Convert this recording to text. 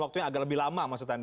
waktunya agak lebih lama maksud anda